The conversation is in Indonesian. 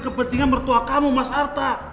kepentingan mertua kamu mas arta